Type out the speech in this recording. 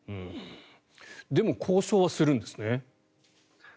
でも交渉はするんですね。